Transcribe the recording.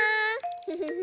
フフフ。